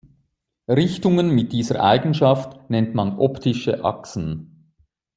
Richtungen mit dieser Eigenschaft nennt man optische Achsen.